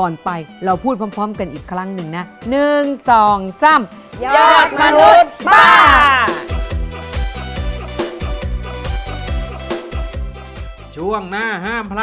ก่อนไปเราพูดพร้อมกันอีกครั้งหนึ่งนะ